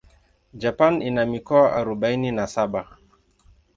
Japan ina mikoa arubaini na saba.